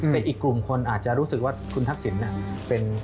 แต่อีกกลุ่มคนอาจจะรู้สึกว่าคุณทักษิณ